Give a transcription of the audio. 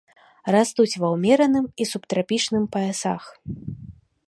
Растуць ва ўмераным і субтрапічным паясах.